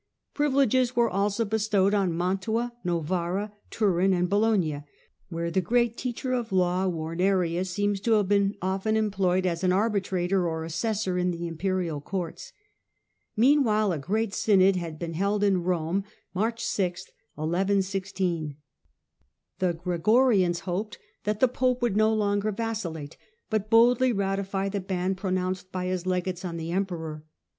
Privi leges were also bestowed on Mantua, Novara, Turin, and Bologna, where the great teacher of law, Warnerius, seems to have been often employed as an arbitrator or assessor in the imperial courts. Meanwhile a gi'eat synod had been held in Rome. The Gregorians hoped that the pope would no longer Synod in Vacillate, but boldly ratify the ban pronounced ^roh6, ^y ^^3 legates on the emperor.